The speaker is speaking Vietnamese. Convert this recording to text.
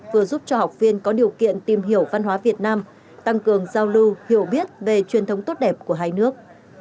vừa giúp cho học viên có điều kiện tìm hiểu văn hóa việt nam tăng cường giao lưu hiểu biết về truyền thống tốt đẹp của hai nước